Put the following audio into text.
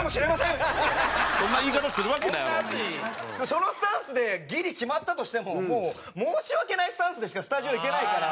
そのスタンスでギリ決まったとしてももう申し訳ないスタンスでしかスタジオ行けないから。